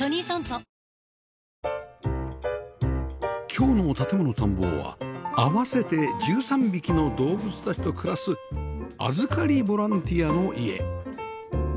今日の『建もの探訪』は合わせて１３匹の動物たちと暮らす預かりボランティアの家